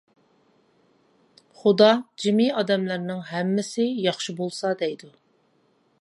خۇدا جىمى ئادەملەرنىڭ ھەممىسى ياخشى بولسا، دەيدۇ.